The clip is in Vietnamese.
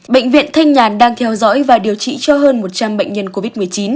bệnh viện thanh nhàn đang theo dõi và điều trị cho hơn một trăm linh bệnh nhân covid một mươi chín